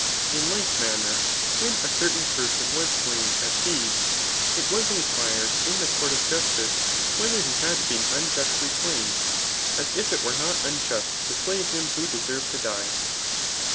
In like manner, when a certain person was slain at Thebes, it was inquired in the court of justice whether he had been unjustly slain j as if it were not unjust to slay lum who deserved to die.